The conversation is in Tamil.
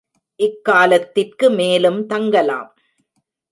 இக்காலத்திற்கு மேலும் தங்கலாம்.